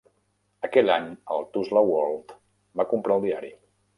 Aquell any el "Tulsa World" va comprar el diari.